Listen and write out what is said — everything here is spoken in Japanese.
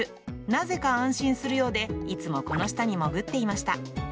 なぜか安心するようで、いつもこの下に潜っていました。